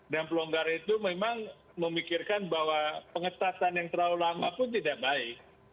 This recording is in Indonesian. dan pelonggaran itu memang memikirkan bahwa pengetatan yang terlalu lama pun tidak baik